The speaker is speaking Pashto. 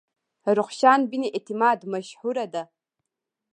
رخشان بني اعتماد مشهوره ده.